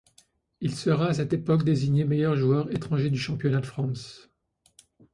Il sera à cette époque désigné meilleur joueur étranger du championnat de France.